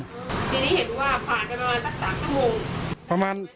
ทีนี้เห็นว่าผ่านกันประมาณสัก๓๔โมง